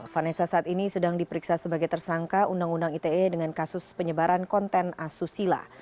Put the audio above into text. vanessa saat ini sedang diperiksa sebagai tersangka undang undang ite dengan kasus penyebaran konten asusila